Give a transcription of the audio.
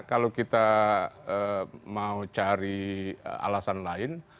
kalau kita mau cari alasan lain